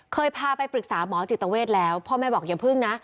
เคยพาไปปรึกษาหมอจิตเวทแล้วพ่อแม่บอกอย่าพึ่งนะ